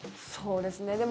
そうですね。